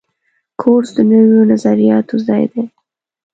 کورس د نویو نظریاتو ځای دی.